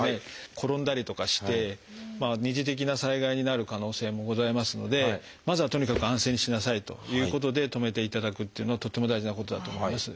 転んだりとかして二次的な災害になる可能性もございますのでまずはとにかく安静にしなさいということで止めていただくっていうのはとっても大事なことだと思います。